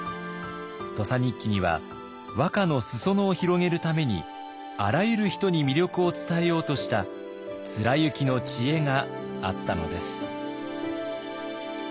「土佐日記」には和歌の裾野を広げるためにあらゆる人に魅力を伝えようとした貫之の知恵があったのです。